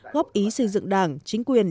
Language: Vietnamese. góp ý xây dựng đảng chính quyền